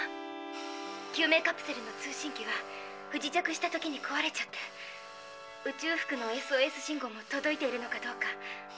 救命カプセルの通信機は不時着した時にこわれちゃって宇宙服のＳＯＳ信号もとどいているのかどうか。